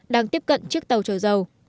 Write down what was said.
đang tiếp cận chiếc tàu trợ dầu